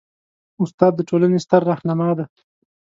استاد د ټولنې ستر رهنما دی.